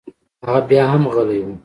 هغه بيا هم غلى و.